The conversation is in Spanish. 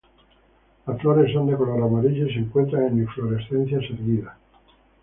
Las flores son de color amarillo y se encuentran en inflorescencias erguidas.